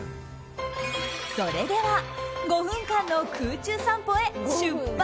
それでは５分間の空中散歩へ出発！